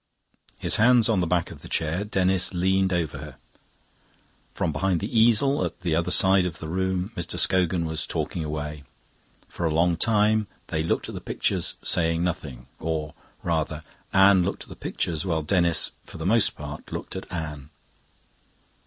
His hands on the back of the chair, Denis leaned over her. From behind the easel at the other side of the room Mr. Scogan was talking away. For a long time they looked at the pictures, saying nothing; or, rather, Anne looked at the pictures, while Denis, for the most part, looked at Anne.